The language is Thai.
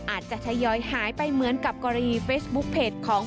อาจจะทยอยหายไปเหมือนกับกรณีเฟซบุ๊คเพจของ